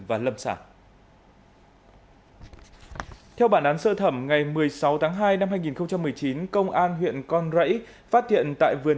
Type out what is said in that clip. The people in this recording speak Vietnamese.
và lâm sản theo bản án sơ thẩm ngày một mươi sáu tháng hai năm hai nghìn một mươi chín công an huyện con rẫy phát hiện tại vườn